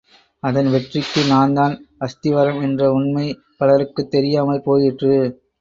அதன் வெற்றிக்கு நான்தான் அஸ்திவாரம் என்ற உண்மை பலருக்குத் தெரியாமல் போயிற்று.